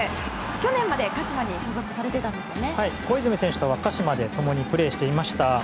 去年まで鹿島に小泉選手とは鹿島で共にプレーしていました。